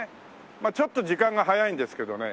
まあちょっと時間が早いんですけどね。